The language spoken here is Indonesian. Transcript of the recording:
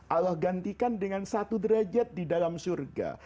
allah gantikan dengan satu derajat di dalam surga